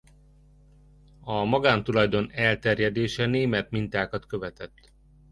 A magántulajdon elterjedése német mintákat követett.